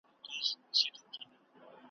چي اسمان پر تندي څه درته لیکلي `